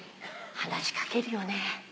話し掛けるよね。